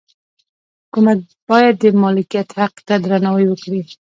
حکومت باید د مالکیت حق ته درناوی وکړي.